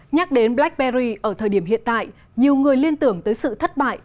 nhắc đến blackberry ở thời điểm hiện tại nhiều người liên tưởng tới sự thất bại